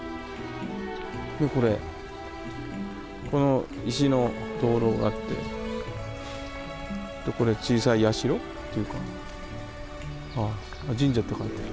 これこの石の灯籠があってこれ小さい社っていうか「神社」って書いてある。